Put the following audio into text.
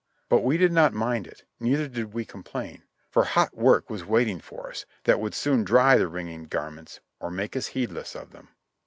But we did not mind it, neither did we complain, for hot work was waiting for us, that would soon dry the wringing garments or make us heedless of them.